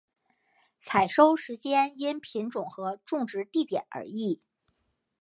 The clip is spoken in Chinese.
采收时间因品种和种植地点而异。